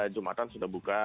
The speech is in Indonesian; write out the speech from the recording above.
jumatan sudah buka